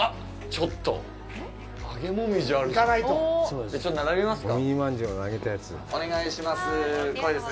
ちょっと並びますか。